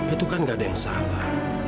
itu kan gak ada yang salah